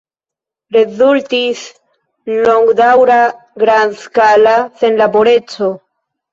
Rezultis longdaŭra grandskala senlaboreco.